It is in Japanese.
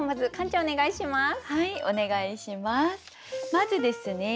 まずですね